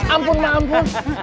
ampun ma ampun